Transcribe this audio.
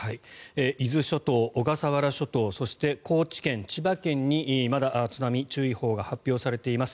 伊豆諸島、小笠原諸島そして高知県、千葉県にまだ津波注意報が発表されています。